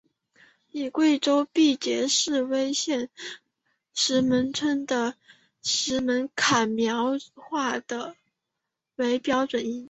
以贵州毕节市威宁县石门乡的石门坎苗话为标准音。